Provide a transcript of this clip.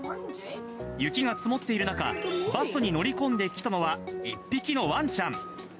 雪が積もっている中、バスに乗り込んできたのは、１匹のわんちゃん。